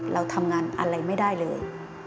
เราทำงานอะไรไม่ได้เลย